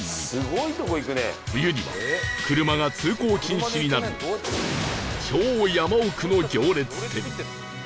冬には車が通行禁止になる超山奥の行列店